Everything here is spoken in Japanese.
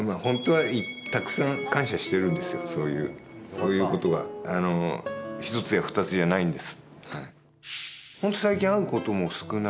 そういうことが１つや２つじゃないんです。